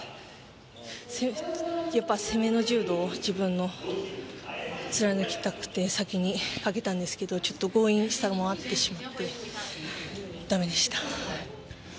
やっぱ攻めの柔道、自分のを貫きたくて先にかけたんですけど、ちょっと強引さもあってしまって駄目でした。